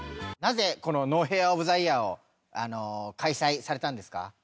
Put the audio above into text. なぜこのＮＯＨＡＩＲ・オブ・ザ・イヤーを開催されたんですか？